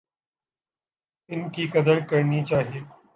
ان کی قدر کرنی چاہیے۔